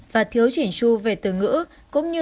và thiếu chỉnh chu về từ ngữ